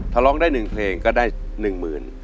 ถ้าร้องได้หนึ่งเพลงก็ได้หนึ่งหมื่น